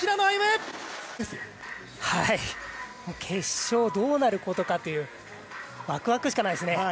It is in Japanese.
決勝どうなることかというわくわくしかないですね。